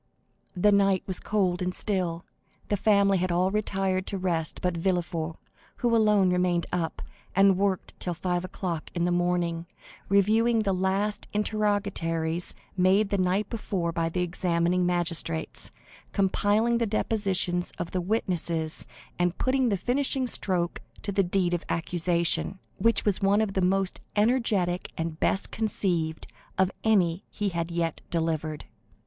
The night was cold and still; the family had all retired to rest but Villefort, who alone remained up, and worked till five o'clock in the morning, reviewing the last interrogatories made the night before by the examining magistrates, compiling the depositions of the witnesses, and putting the finishing stroke to the deed of accusation, which was one of the most energetic and best conceived of any he had yet delivered.